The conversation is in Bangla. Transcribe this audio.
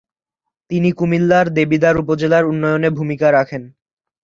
তিনি কুমিল্লার দেবিদ্বার উপজেলার উন্নয়নে ভূমিকা রাখেন।